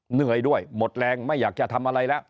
เหนื่อยด้วยหมดแรงไม่อยากจะทำอะไรแล้ว